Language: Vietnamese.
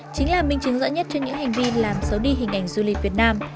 chính là minh chứng rõ nhất cho những hành vi làm xấu đi hình ảnh du lịch việt nam